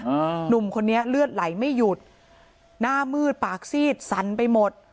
หนุ่มคนนี้เลือดไหลไม่หยุดหน้ามืดปากซีดสั่นไปหมด